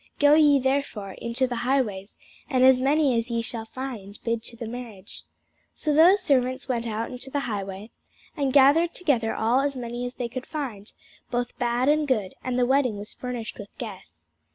Go ye therefore into the highways, and as many as ye shall find, bid to the marriage. So those servants went out into the highways, and gathered together all as many as they found, both bad and good: and the wedding was furnished with guests.